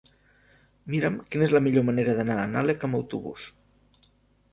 Mira'm quina és la millor manera d'anar a Nalec amb autobús.